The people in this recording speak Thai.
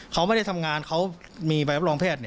เขาไม่ได้ทำงานเขามีใบรับรองแพทย์